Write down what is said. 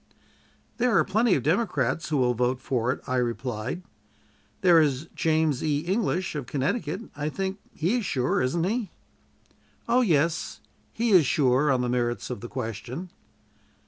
"There are plenty of Democrats who will vote for it," I replied. "There is James E. English, of Connecticut; I think he is sure, isn't he?" "Oh, yes; he is sure on the merits of the question."